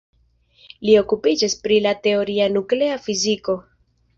Li okupiĝas pri la teoria nuklea fiziko.